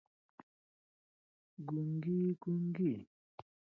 ګونګي، ګونګي